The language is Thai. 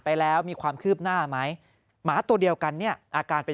ไปแล้วมีความคืบหน้าไหมหมาตัวเดียวกันเนี่ยอาการเป็น